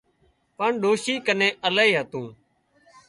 پڻ ڏوشي ڪنين الاهي هتون